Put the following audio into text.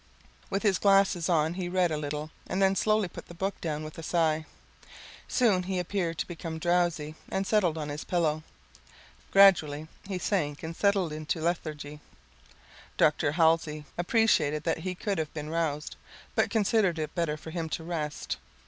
With his glasses on he read a little and then slowly put the book down with a sigh. Soon he appeared to become drowsy and settled on his pillow. Gradually he sank and settled into a lethargy. Dr. Halsey appreciated that he could have been roused, but considered it better for him to rest.